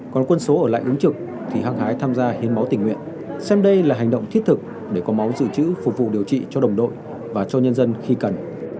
còn quân số ở lại ứng trực thì hăng hái tham gia hiến máu tình nguyện xem đây là hành động thiết thực để có máu dự trữ phục vụ điều trị cho đồng đội và cho nhân dân khi cần